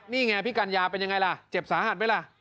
นี่ไงพี่กัญญาเป็นยังไงล่ะเจ็บสาหัสไหมล่ะ